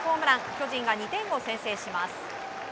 巨人が２点を先制します。